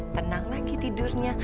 tenang lagi tidurnya